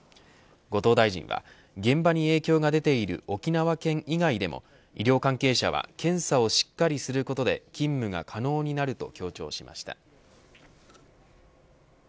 後藤大臣は現場に影響が出ている沖縄県以外でも医療関係者は検査をしっかりすることで勤務が可能になると強調しました。